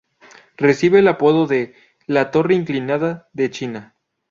Recibe el apodo de 'La torre inclinada de China'.